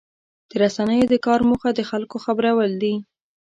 د رسنیو د کار موخه د خلکو خبرول دي.